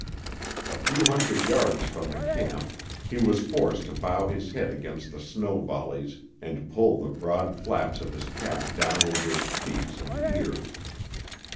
A few hundred yards from the camp he was forced to bow his head against the snow volleys and pull the broad flaps of his cap down over his cheeks and ears.